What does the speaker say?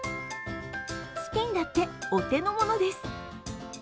スピンだってお手の物です。